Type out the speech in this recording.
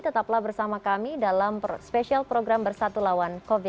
tetaplah bersama kami dalam spesial program bersatu lawan covid sembilan belas